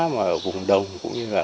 mà ở vùng đông cũng như là